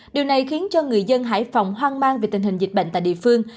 điều này khiến cho người dân hải phòng hoang mang về tình hình dịch bệnh tại địa phương